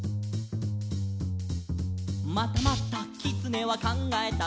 「またまたきつねはかんがえた」